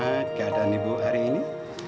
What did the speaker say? apa keadaan ibu hari ini